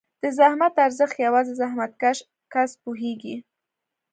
د زحمت ارزښت یوازې زحمتکښ کس پوهېږي.